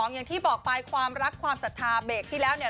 อย่างที่บอกไปความรักความศรัทธาเบรกที่แล้วเนี่ย